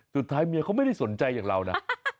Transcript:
สุดท้ายเมียเขาไม่ได้สนใจอย่างเรานะ